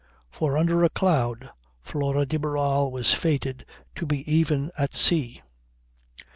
For under a cloud Flora de Barral was fated to be even at sea.